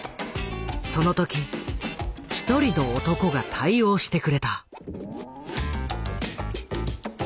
その時一人の男が対応してくれた。